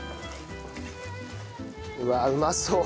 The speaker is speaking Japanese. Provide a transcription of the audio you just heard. うわあうまそう！